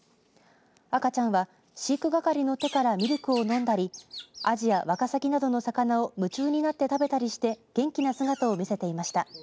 赤ちゃんは飼育係の手からミルクを飲んだりアジやワカサギなどの魚を夢中になって食べたりして元気な姿を見せていました。